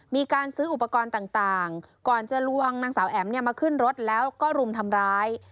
มีการซื้ออุปกรณ์ต่างก่อนจะลวงนางสาวแอ๋มมาขึ้นรถแล้วก็รุมทำร้าย